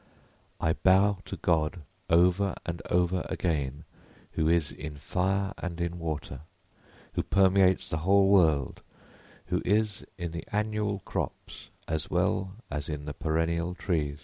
] _I bow to God over and over again who is in fire and in water, who permeates the whole world, who is in the annual crops as well as in the perennial trees.